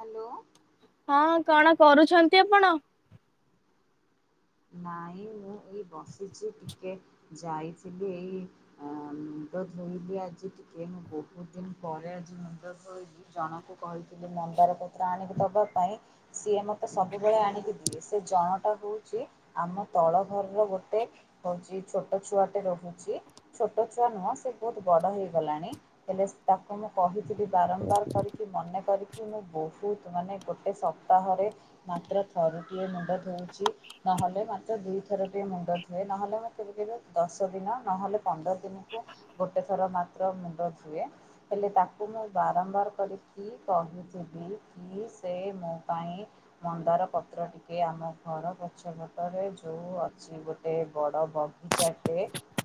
Hello. ହଁ କଣ କରୁଛନ୍ତି ଆପଣ? ନାଇଁ ମୁଁ ଏଇ ବସିଛି ଟିକେ ଯାଇଥିଲି। ଏଇ ଆ ମୁଣ୍ଡ ଧୋଇଲିି ଆଜି ଟିକେ ମୁଁ ବହୁତ ଦିନ ପରେ ଆଜି ମୁଣ୍ଡ ଧୋଇଲି। ଜଣକୁ କହିଥିଲି ମନ୍ଦାର ପତ୍ର ଆଣିକି ଦବ ପାଇଁ ସିଏ ମତେ ସବୁବେଳେ ଆଣିକି ଦିଏ। ସେ ଜଣ ଟା ହଉଚି ଆମ ତଳ ଘରର ଗୋଟେ ହଉଚି ଛୋଟ ଛୁଆଟେ ରହୁଚି। ଛୋଟ ଛୁଆ ନୁହଁ ସେ ବହୁତ ବଡ ହେଇଗଲାଣି ହେଲେ ସ ତାକୁ ମୁଁ କହିଥିଲି ବାରମ୍ବାର କରିକି ମନେ କରି କି ମୁଁ ବହୁତ ମାନେ ଗୋଟେ ସପ୍ତାହରେ ମାତ୍ର ଥରୁଟିଏ ମୁଣ୍ଡ ଧୋଉଚି। ନହେଲେ ମାତ୍ର ଦୁଇଥର ଟିକେ ମୁଣ୍ଡ ଧୁଏ ନହେଲେ ମ କେବେ କେବେ ଦଶ ଦିନ ନହେଲେ ପନ୍ଦର ଦିନକୁ ଗୋଟେ ଥର ମାତ୍ର ମୁଣ୍ଡ ଥୁଏ। ହେଲେ ତାକୁ ମୁଁ ବାରମ୍ବାର କରିକି କହିଁଚିବି କି ସେ ମୋପାଇଁ ମନ୍ଦାର ପତ୍ର ଟିକେ ଆମ ଘର କ ଛ ଭଟରେ ଯୋଉ ଅଛି ଗୋଟେ ବଡ ବଗିଚାଟେ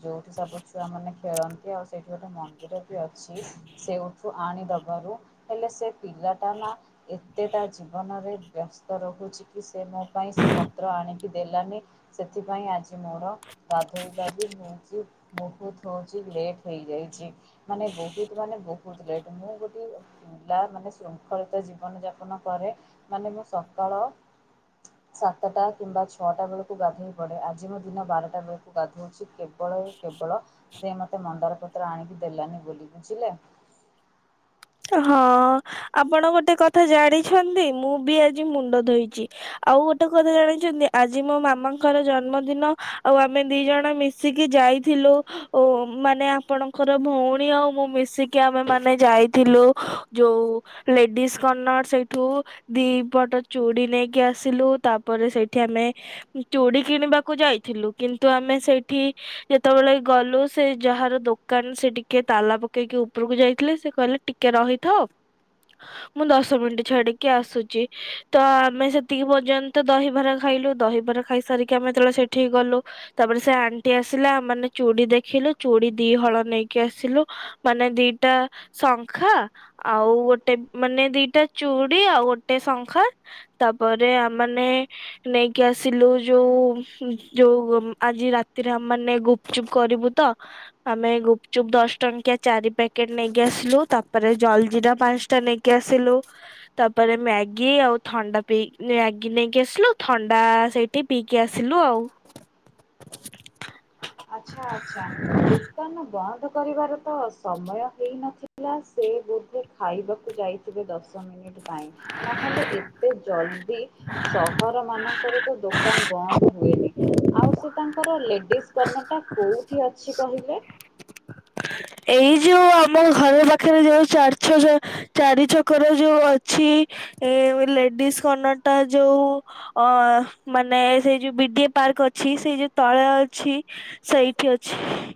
ଯୋଉଠି ସବୁ ଛୁଆ ମାନେ ଖେଳନ୍ତି ଆଉ ସେଇଠି ଗୋଟେ ମନ୍ଦିର ବି ଅଛି। ସେଉଠୁ ଆଣିଦବାରୁ ହେଲେ ସେ ପିଲାଟା ନା ଏତେ ତା ଜୀବନରେ ବ୍ୟସ୍ତ ରହୁଚିକି ସେ ମୋ ପାଇଁ ସେ ପ ତ୍ର ଆଣିକି ଦେଲାନି ସେଥିପାଇଁ ଆଜି ମୋର ଗାଧୋଇବାବି ହେଇଚି ମହୁତ୍ ହଉଚି ଲେଟ୍ ହେଇଯାଇଚି। ମାନେ ବହୁତ ମାନେ ବହୁତ ଲେଟ ମୁଁ ଗୋଟେଏ ପିଲା ମାନେ ଶୃଙ୍ଖଳିତ ଜୀବନ ଯାପନ କରେ। ମାନେ ମୁଁ ସକାଳ ତଟା କିମ୍ବା ଛଅଟା ବେଳକୁ ଗାଧୋଇ ପଡ଼େ ଆଜି ମୁଁ ଦିନ ବାରଟା ବେକୁ ଗାଧୋଉଚି କେବ ବଳ ଏଇ କେବଳ ସେ ମତେ ମନ୍ଦାର ପତ୍ର ଆଣିକି ଦେଲାନି ବୋଲି ବୁଝିଲେ? ହଁ ଆପଣ ଗୋଟେ କଥା ଜାଣିଛନ୍ତି? ମୁଁ ବି ଆଜି ମୁଣ୍ଡ ଧୋଇଚି। ଆଉ ଗୋଟେ କଥା ଜାଣିଛନ୍ତି ଆଜି ମୋ ମାମାଙ୍କର ଜନ୍ମଦିନ ଆଉ ଆମେ ଦି ଜଣ ମିଶ ସିକି ଯାଇଥିଲୁ ଓ ମାନେ ଆପଣଙ୍କର ଭଉଣୀ ଆଉ ମୁଁ ମିଶିକି ଆମେ ମାନେ ଯାଇ ଥିଲୁ ଯୋଉଁ ଲେଡିସ କର୍ଣ୍ଣର୍ ସେଇଠୁ ଦିପଟ ଚୁଡି ନେଇକି ଆସିଲୁ ତାପରେ ସେଇଠି ଆମେ ଚୁଡି କିଣିବାକୁ ଯାଇଥିଲୁ କିନ୍ତୁ ଆମେ ସେଇଠି ଯେତେବେଳେ ଗଲୁ ସେ ଯାହାର ଦୋକାନ ସେ ଟିକେ ତାଲା ପକେଇକି ଉପରକୁ ଯାଇଥିଲେ ସେ କହିଲେ ଟିକେ ରହିଥାଅ ମୁଁ ଦଶ ମିନିଟ ଛାଡିକି ଆସୁଚି ତ ଆମେ ସେତିକି ପର୍ଯ୍ୟନ୍ତ ଦହିବରା ଖାଇଲୁ ଦହିବରା ଖାଇ ସାରିକି ଆମେ ଏତେବେଳେ ସେଠି ଗଲୁ ତାପରେ ସେ ଆଣ୍ଟି ଆସିଲା ମାନେ ଚୁଡି ଦେଖିଲୁ ଚୁଡି ଦିହଳ ନେଇକି ଆସିଲୁ। ମାନେ ଦିଟା ସଙ୍କ ଙ୍ଖା ଆଉ ଗୋଟେ ମାନେ ଦିଟା ଚୁଡି ଆଉ ଗୋଟେ ଶଙ୍ଖା ତାପରେ ଆମାନେ ନେଇକି ଆସିଲୁ ଯୋଉ ଯୋଉ ଗୋମ୍ ଆଜି ରାତିରେ ଆମ ମାନେ ଗୁ ଚୁପ୍ କରିବୁ ତ ଆମେ ଗୁପଚୁପ୍ ଦଶ ଟଙ୍କିଆ ଚାରି ପ୍ୟାକେଟ ନେଇକି ଆସିଲୁ। ତାପରେ ଜଲ ଜିରା ପାନଷ୍ଟା ନେଇେକି ଆସିଲୁ। ତାପରେ ମ୍ୟାଗି ଆଉ ଥଣ୍ଡା ପି ମ୍ୟାଗି ନେଇକି ଆସିଲୁ ଥଣ୍ଡା ସେଇ ଟି ପିଇକି ଆସିଲୁ ଆଉ। ଆଛା ଆଛା ଦୋ କାନ ବନ୍ଦ କରିବାର ତ ସମୟ ହେଇନଥିଲା ସେ ବୋଧେ ଖାଇବାକୁ ଯାଇ ତୀକି ଦଶ ମିନିଟ ପାଇଁ ନହଲେ ଏତେ ଜଲଦି ସହର ମାନ ଙ୍କରତ ଦୋକାନ ବନ୍ଦ ହୁଏନି ଆଉ ସେ ତାଙ୍କର ଲେଡିସ କର୍ଣ୍ଣର ଟା କୋଉଠି ଅଛି କହିଲେ? ଏଇ ଯୋଉ ଆମ ଘର ପାଖରେ ଯୋଉ ଚାରି ଛଜ ଚାରି ଛକର ଯୋଉ ଅଛି ଏ ଲେଡିଜ କନ ଟା ଯୋଉ ଅ ମାନେ ସେଇ ଯୋଉ ବି ଡି ଏ ପାର୍କ ଅଛି ସେଇ ଯୋଉ ତଳେ ଅଛି ସେଇଠି ଅଛି।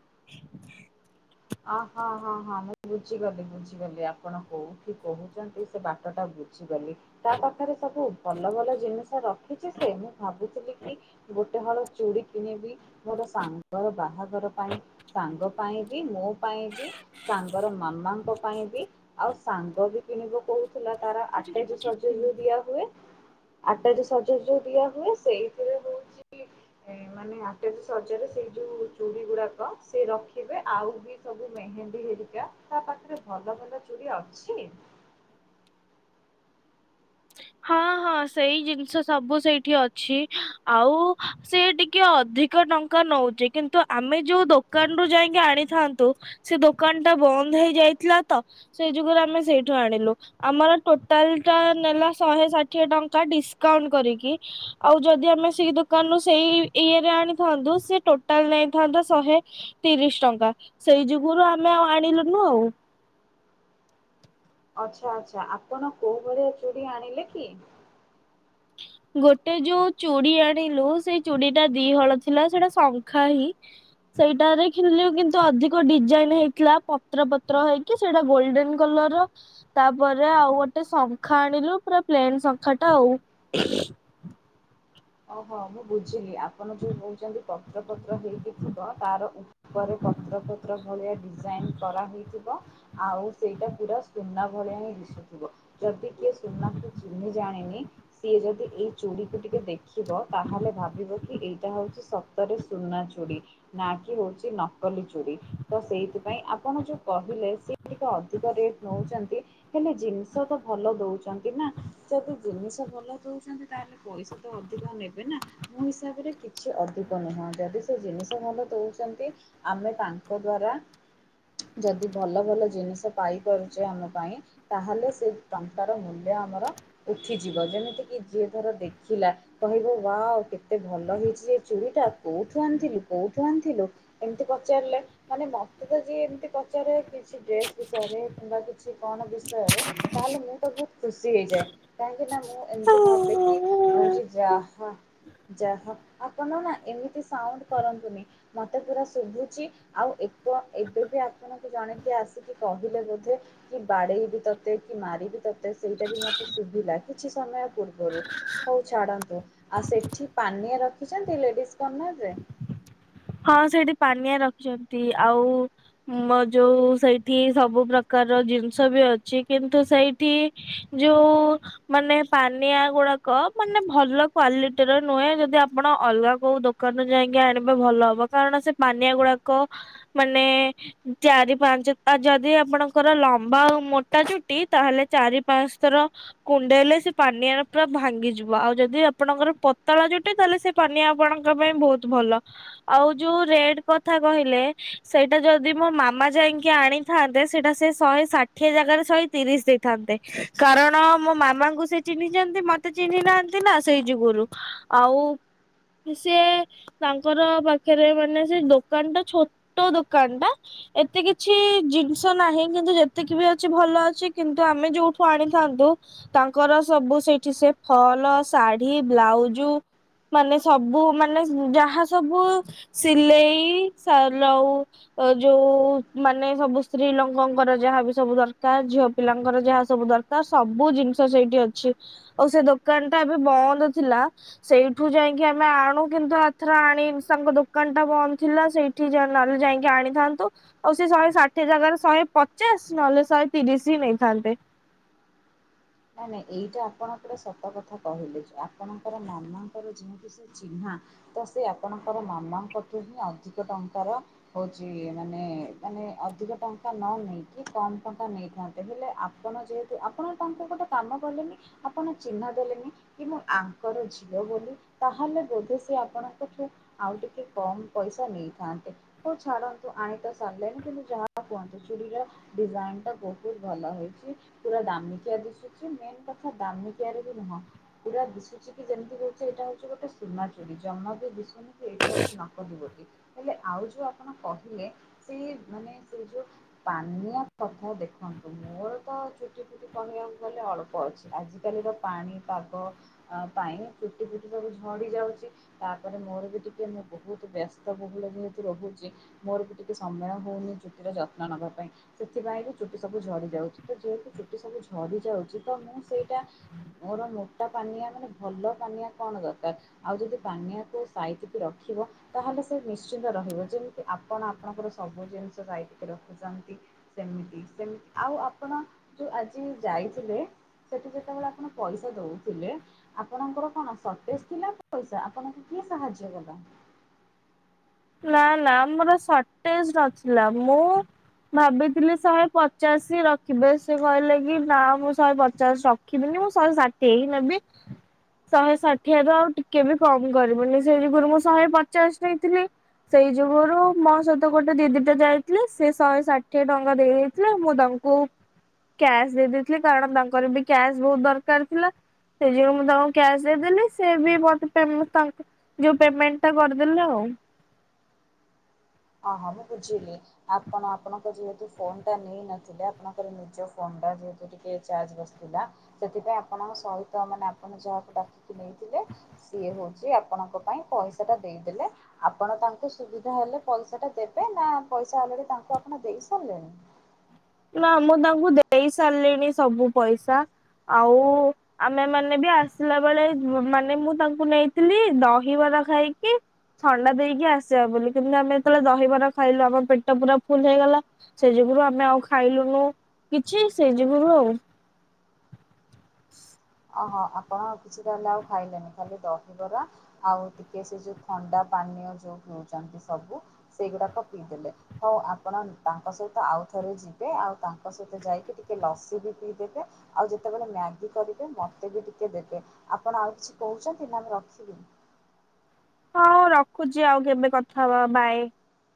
ଅ ହଁ ହଁ ହଁ ମୁଁ ବୁଝିଗଲି ବୁଝିଗଲି ଆପଣ କୋଉଠି କହୁଚନ୍ତି ସେ ବାଟଟା ଭୁ ବୁଝିଗଲି ତା ପାଖରେ ସବୁ ଭଲ ଭଲ ଜିନିଷ ରଖିଛି ସେ ମୁଁ ଭାବୁଥିଲି କି ଗୋ ମୁଁ ଗୋଟେ ହଳ ଚୁଡ଼ି କିଣିବି ମୋର ସାଙ୍ଗର ବାହାଘର ପାଇଁ ସାଙ୍ଗ ପାଇଁ ବି ମୋ ପାଇଁ ବି ସାଙ୍ଗର ମାମାଙ୍କ ପାଇଁ ବି ଆଉ ସାଙ୍ଗ ବି କିଣିବ କୋଉ ଥିଲା ତାର ଆଟେଜେ ସଜଜେ ଦିଆ ହୁଏ ଆଟାଜେ ସଜ ଯୋଉ ଦିଆ ହୁଏ ସେଇଥିରେ ହଉଛି ଏଇ ମାନେ ଆଟେଜେ ସଜରେ ସେଇ ଯୋଉ ଚୁଡ଼ି ଗୁରାକ ସେ ରଖିବେ ଆଉ ବି ସବୁ ମେହେନ୍ଦୀ ହେରିକା ତା ପାଖରେ ଭଲ ଭଲ ଚୁଡ଼ି ଅଛି ହଁ ହଁ ସେଇ ଜିନିଷ ସବୁ ସେଇଠି ଅଛି ଆଉ ସେ ଟିକେ ଅଧି ଅଧିକ ଟଙ୍କା ନଉଛି କିନ୍ତୁ ଆମେ ଯୋଉ ଦୋକାନରୁୁ ଯାଇକି ଆଣିଥାନ୍ତୁ ସେ ଦୋକାନ ଟା ବନ୍ଦ ହେଇଯାଇଥିଲା ତ ସେଇ ଯୁଗରୁ ଆମେ ସେଇଠୁ ଆଣିଲୁ ଆମର ଟୋଟାଲ ଟା ନେଲା ଶହେ ଷାଠିଏ ଟଙ୍କା ଡିସକାଉଣ୍ଟ କରିକି ଆଉ ଯଦି ଆମେ ସେଇ ଦୋକାନରୁୁ ସେଇ ଇଏରେ ଆଣିଥାନ୍ତୁ ସେ ଟୋଟାଲ ନେଇଥାନ୍ତା ଶହେ ତିରିଶ ଟଙ୍କା ସେଇ ଯୁଗୁରୁ ଆମେ ଆଉ ଆଣିଲୁନୁ ଆଉ ଆଚ୍ଛା ଆଚ୍ଛା ଆପଣ କୋଉ ଭଳିଆ ଚୁଡ଼ି ଆଣିଲେ କି? ଗୋଟେ ଯୋଉ ଚୁଡ଼ି ଆଣିଲୁ ସେଇ ଚୁଡି ଟା ଦିହଳ ଥିଲା ସେଇଟା ଶଙ୍ଖା ହିଁ ସେଇଟାରେ କିଣିଲେ କିନ୍ତୁ ଅଧିକ ଡିଜାଇନ ହେଇଥିଲା ପତ୍ର ପତ୍ର ହେଇ କି ସେଇଟା ଗୋଲଡେନ କଲର ର ତାପରେ ଆଉ ଗୋଟେ ଶଙ୍ଖା ଆଣିଲୁ ପୁରା ପ୍ଲେନ୍ ଶଙ୍ଖା ଟା ଆଉ ଓହୋ ମୁଁ ବୁଝିଲି ଆପଣ ଯୋଉ କହୁଛନ୍ତି ପତ୍ରପତ୍ର ହେଇକି ଥିବ ତାର ଉପରେ ପତ୍ର ପତ୍ର ଭଳିଆ ଡିଜାଇନ କରାହେଇଥିବ ଆଉ ସେଇଟା ପୁରା ସୁନା ଭଳିଆ ହିଁ ଦିଶୁ ଥିବ ଯଦି କିଏ ସୁନାକୁ ଚିହ୍ନି ଜାଣିନି ସିଏ ଯଦି ଏଇ ଚୁଡ଼ିକୁ ଟିକେ ଦେଖି ଦେଖିବ ତାହେଲେ ଭାବିବ କି ଏଇଟା ହଉଛି ସତରେ ସୁନା ଚୁଡ଼ି ନା କି ହଉଛି ନକଲି ଚୁଡି ତ ସେଇଥିପାଇଁ ଆପଣ ଯୋଉ କହିଲେ ସେ ଟିକେ ଅଧିକ ରେଟ୍ ନଉଛନ୍ତି ହେଲେ ଜିନିଷ ତ ଭଲ ଦଉଛନ୍ତି ନା ଯଦି ଜିନିଷ ଭଲ ଦଉଛନ୍ତି ତାହେଲେ ପଇସା ତ ଅଧିକ ନେବେ ନା ମୋ ହିସାବରେ କିଛି ଅଧିକ ନୁହଁ ଯଦି ସେ ଜିନିଷ ଭଲ ଦଉଛନ୍ତି ଆମେ ତାଙ୍କ ଦ୍ଵାରା ଯଦି ଭଲ ଭଲ ଜିନିଷ ପାଇପାରୁଛେ ଆମ ପାଇଁ, ତାହେଲେ ସେ ଟଙ୍କାର ମୂଲ୍ୟ ଆମର ଉଠିଯିବ ଯେମିତି କି ଯିଏ ଧର ଦେଖ ଖିଲା କହିବ ୱାଓ କେତେ ଭଲ ହେଇଛି ସେ ଚୁଡ଼ିଟା କୋଉଠୁ ଆଣିଥିଲୁ କଉଠୁ ଆଣିଥିଲୁ ଏମିତି ପଚାରିଲା ମାନେ ମତେ ତ ଯିଏ ଏମତି ପଚାରେ କିଛି ଡ୍ରେସ୍ ବିଷୟରେ କିମ୍ବା କିଛି କଣ ବିଷୟରେ ତାହେଲେ ମୁଁ ତ ବହୁତ ଖୁସି ହେଇଯାଏ କାହିଁକି ନା ମୁଁ ଏମିତି ଭାବେ କି ହଉଛି ଯାହା ଯାହା ଆପଣ ନା ଏମିତି ସାଉଣ୍ଡ କରନ୍ତୁନି ମତେ ପୁରା ଶୁଭୁଛି ଆଉ ଏକୁଟିଆ ଏବେ ବି ଆପଣକୁ ଜଣେ କିଏ ଆସିକି କହିଲା ଜଦି କି ବାଡେଇ ବି ତୋତେ କି ମାରିବି ତୋତେ ସେଇଟା ବି ମତେ ଶୁଭିଲା କିଛି ସମୟ ପୂର୍ବରୁ ହଉ ଛାଡନ୍ତୁ ଆଉ ସେଠି ପାନିଆ ରଖିଛନ୍ତି ଲେଡିଜ କର୍ନରରେ ହଁ ସେଇଠି ପାନିଆ ରଖିଛନ୍ତି ଆଉ ମ ଯଉ ସେଇଠି ସବୁ ପ୍ରକାରର ଜିନିଷ ବି ଅଛି କିନ୍ତୁ ସେଇଠି ଯୋଉ ମାନେ ପାନିଆ ଗୁଡାକ ମାନେ ଭଲ କ୍ଵାଲିଟିର ନୁହେଁ ଯଦି ଆପଣ ଅଲଗା କୋଉ ଦୋ ଦୋକାନ ରୁ ଯାଇକି ଆଣିବେ ଭଲ ହବ କାରଣ ସେ ପାନିଆ ଗୁଡାକ ମାନେ ଚାରି ପାଞ୍ଚ ଆ ଯଦି ଆପଣଙ୍କର ଲମ୍ବା ଆଉ ମୋଟା ଚୁଟି ତାହେଲେ ଚାରି ପାଞ୍ଚ ଥର କୁଣ୍ଡେଇଲେ ସେ ପାନିଆରା ପୁରା ଭାଙ୍ଗିଯିବ ଆଉ ଯଦି ଆପଣଙ୍କର ପତଳା ଚୁଟି ତାହେଲେ ସେ ପାନିଆ ଆପଣଙ୍କ ପାଇଁ ବହୁତ ଭଲ ଆଉ ଯୋଉ ରେଟ କଥା କହିଲେ ସେଇଟା ଯଦି ମୋ ମାମା ଯାଇକି ଆଣିଥାନ୍ତେ ସେଇଟା ସେ ଶହେ ଷାଠିଏ ଜାଗାରେ ଶହେ ତିରିଶ ଦେଇଥାନ୍ତେ କାରଣ ମୋ ମାମାଙ୍କୁ ସେ ଚିହ୍ନିଛନ୍ତି ମତେ ଚିହ୍ନି ନାହାନ୍ତି ନା ସେଇ ଯୁଗୁରୁ ଆଉ ସିଏ ତାଙ୍କର ବା ପାଖରେ ରହିବନେଇ ସେ ଦୋକାନ ଟା ଛୋଟ ଦୋକାନ ଟା ଏତେ କିଛି ଜିନିଷ ନାହିଁ କିନ୍ତୁ ଯେତିକି ବି ଅଛି ଭଲ ଅଛି କିନ୍ତୁ ଆମେ ଯୋଉଠୁ ଆଣିଥାନ୍ତୁ ତାଙ୍କର ସବୁ ସେଇଠି ସେ ଫଅଲ ଶାଢୀ ବ୍ଲାଉକୁ ମାନେ ସବୁ ମାନେ ଯାହା ସବୁ ସିଲେଇ ଶାଲାଉ ଅ ଯୋଉ ମାନେ ସବୁ ସ୍ତ୍ରୀ ଲୋକଙ୍କର ଯାହା ବି ସବୁ ଦରକାର ଝିଅ ପିଲାଙ୍କର ଯାହା ସବୁ ଦରକା ତ ସବୁ ଜିନିଷ ସେଇଠି ଅଛି ଆଉ ସେ ଦୋକାନ ଟା ଏବେ ବନ୍ଦ ଥିଲା ସେଇଠୁ ଯାଇକି ଆମେ ଆଣୁ କିନ୍ତୁ ଆର ଥର ଆଣି ତାଙ୍କ ଦୋକାନ ଟା ବନ୍ଦ ଥିଲା ସେଇଠି ଜା ନହେଲେ ଯାଇକି ଆଣିଥାନ୍ତୁ ଆଉ ସେ ଶହେ ଷାଠିଏ ଜାଗାରେ ଶହେ ପଚାଶ ନହେଲେ ଶହେ ତିରିଶ ହିଁ ନେଇଥାନ୍ତେ। ନାଇ ନାଇଁ ଏଇଟା ଆପଣ ପୁରା ସତ କଥା କହିଲେ ଆପଣଙ୍କର ମାମାଙ୍କର ଯେତେ ଚିହ୍ନା ତ ସେ ଆପଣଙ୍କର ମାମାଙ୍କଠୁ ହିଁ ଅଧିକ ଟଙ୍କାର ହଉଛି ମାନେ ମାନେ ଅଧିକ ଟଙ୍କା ନ ନେଇକି କମ ଟଙ୍କା ନେଇଥାନ୍ତେ ହେଲେ ଆପଣ ଯେହେତୁ ଆପଣ ତାଙ୍କୁ ଗୋଟେ କାମ କଲେନି ଆପଣ ଚି଼ହ୍ନଆ ଦେଲେନି କି ମୁଁ ଆଙ୍କର ଝିଅ ବୋଲି ତାହେଲେ ବୋଧେ ସିଏ ଆପଣଙ୍କଠୁ ଆଉ ଟିକେ କମ ପଇସା ନେଇଥାନ୍ତେ। ହଉ ଛାଡନ୍ତୁ ଆଣି ତ ସାରିଲେଣି କିନ୍ତୁ ଯାହା କୁହନ୍ତୁ ଚୁଡ଼ି ର ଡିଜାଇନ୍ ଟା ବହୁତ ଭଲ ହୋଇଛି ପୁରା ଦାମିକିଆ ଦିଶୁ ଭଲ ଦିଶୁଛି ମେନ କଥା ଦାମିକିଆରେ ବି ନୁହଁ ପୁରା ଦିଶୁଚି କି ଯେମିତି ହଉଚି ଏଇଟା ହଉଚି ଗୋଟେ ସୁନା ଚୁଡି ଜମା ବି ଦିଶୁନି ଏଇଟା ହଉଚି ନକଲି ବୋଲି ହେଲେ ଆଉ ଯୋଉ ଆପଣ କହିଲେ ସେଇ ମାନେ ସେଇ ଯୋଉ ପାନିଆଁ କଥା ଦେଖନ୍ତୁ ମୋର ତ ଚୁଟି ଫୁଟି କହିବାକୁ ଗଲେ ଅଳ୍ପ ଅଛି ଆଜିକାଲିର ପାଣି ପାଗ ଆ ପାଇଁ ଚୁଟି ଫୁଟି ସବୁ ଝଡି ଯାଉଛି ତାପରେ ମୋର ବି ଟିକେ ମୁଁ ବହୁତ ବ୍ୟସ୍ତ ବହୁଳ ଯେହେତୁ ରହୁଛି। ମୋର ବି ଟିକେ ସମୟ ହଉନି ଚୁଟି ର ଯତ୍ନ ନବା ପାଇଁ। ସେଥିପାଇଁ ବି ଚୁଟି ସବୁ ଝଡି ଯାଉଛି ତ ଯେହେତୁ ଚୁଟି ସବୁ ଝଡି ଯାଉଛି ତ ମୁଁ ସେଇଟା ମୋର ମୋଟା ପାନିଆ ମାନେ ଭଲ ପାନିଆ କଣ ଦରକାର। ଆଉ ଯଦି ପାନିଆକୁ ସାଇତିକି ରଖିବ ତାହେଲେ ସେ ନିଶ୍ଚିନ୍ତ ରହିବ ଯେମିତି ଆପଣ ଆପଣଙ୍କର ସବୁ ଜିନିଷ ସାଇତିକି ରଖୁଛନ୍ତି। ସେମିତି ସେ ଆଉ ଆପଣ ଯୋଉ ଆଜି ଯାଇଥିଲେ ସେଠି ଯେତେବେଳେ ଆପଣ ପଇସା ଦଉଥିଲେ ଆପଣଙ୍କର କଣ ସଟେଜ୍ ଥିଲା ପଇସା ଆପଣଙ୍କୁ କିଏ ସାହାଯ୍ୟ କଲା? ନାଁ ନାଁ ମୋର ସଟେଜ୍ ନଥିଲା ମୁଁ ଭାବିଥିଲି ଶହେ ପଚାଶି ହି ରଖିବେ ସେ କହିଲେ କି ନା ମୁଁ ଶହେ ପଚାଶ ରଖି ରଖିବିନି ମୁଁ ଶହେ ଷାଠିଏ ହିଁ ନେବି। ଶହେ ଷାଠିଏ ର ଆଉ ଟିକେ ବି କମ କରିବୁନି ସେ ଯୁଗରୁ ମୁଁ ଶହେ ପଚାଶ ନେଇଥିଲି ସେଇ ଯୁଗୁରୁ ମୋ ସହିତ ଗୋଟେ ଦିଦି ଟେ ଯାଇଥିଲେ ସେ ଶହେ ଷାଠିଏ ଟଙ୍କା ଦେଇ ଦେଇେଥିଲେ ମୁଁ ତାଙ୍କୁ ମୁଁ କ୍ୟାସ୍ ଦେଇ ଦେଇେଥିଲି କାରଣ ତାଙ୍କର ବି କ୍ୟାସ୍ ବହୁତ ଦରକାର ଥିଲା ସେଇ ଯୋଗୁ ମୁଁ ତାଙ୍କୁ କ୍ୟାସ ଦେଇଦେଲି ସେ ବି ମୋତେ ପେମେ ତାଙ୍କ ଯୋଉ ପେମେଣ୍ଟ ଟା କରିଦେଲେ ଆଉ। ହାଁ ମୁଁ ବୁଝିଲି। ଆପଣ ଆପଣଙ୍କର ଯେହେତୁ ଫୋନ ଟା ନେଇନଥିଲେ ଆପଣଙ୍କର ନିଜ ଫୋନ ଟା ଯେହେ ଟିକେ ଚାର୍ଜ ବସିଥିଲା ସେଥିପାଇଁ ଆପଣଙ୍କ ସହିତ ମାନେ ଆପଣ ଯାହାକୁ ଡାକିକି ନେଇଥିଲେ ସିଏ ହଉଛି ଆପଣଙ୍କ ପାଇଁ ପଇସାଟା ଦେଇଦେଲେ ଆପଣ ତାଙ୍କୁ ସୁବିଧା ହେଲେ ପଇସା ଟା ଦେବେ ନା ପଇସା ଅଲରେଡି ତାଙ୍କୁ ଆପଣ ଦେଇ ସାରିଲେଣି? ନା ମୁଁ ତାଙ୍କୁ ଦେଇ ସାରିଲିଣି ସବୁ ପଇସା ଆଉ ଆମେମାନେ ବି ଆସିଲା ବେଳେ ମାନେ ମୁଁ ତାଙ୍କୁ ନେଇଥିଲି ଦହିବରା ଖାଇକି ଥଣ୍ଡା ଦେଇକି ଆସିବା ବୋଲି କିନ୍ତୁ ଆମେ ଯେତେବେଳେ ଦହିବରା ଖାଇଲୁ ଆମ ପେଟ ପୁରା ଫୁଲ୍ ହେଇଗଲା। ସେଇ ଯୁଗୁରୁ ଆମେ ଆଉ ଖାଇଲୁନୁ କିଛି ସେଇ ଯୁଗୁରୁ ଆଉ। ଓହୋ ଆପଣ କିଛି ତାହେଲେ ଆଉ ଖାଇଲେନି, ଖାଲି ଦହିବରା ଆଉ ଟିକେ ସେ ଯୋଉ ଥଣ୍ଡା ପାନୀୟ ଯୋଉ ପିଉଚନ୍ତି ସବୁ ସେଇଗୁଡାକ ପିଇଦେଲେ। ହଉ ଆପଣ ତାଙ୍କ ସହିତ ଆଉଥରେ ଯିବେ ଆଉ ତାଙ୍କ ସହିତ ଯାଇକି ଟିକେ ଲସି ବି ପିଇଦେବେ। ଆଉ ଯେତେବେଳେ ମ୍ୟାଗି କରିବେ ମତେ ବି ଟିକେ ଦେବେ, ଆପଣ ଆଉ କିଛି କହୁଛନ୍ତି ନା ଆମେ ରଖିବି? ହଁ ରଖୁଛି ଆଉ କେବେ କଥା ହବା ବାଏ।